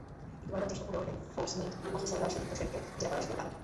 কিন্তু বারবার চেষ্টা করেও এনফোর্সমেন্ট অফিসাররা সুদীপ্ত সেনকে জেরা করার সুযোগ পাননি।